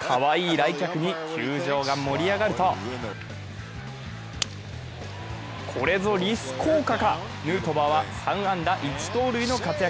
かわいい来客に球場が盛り上がるとこれぞリス効果か、ヌートバーは３安打１盗塁の活躍。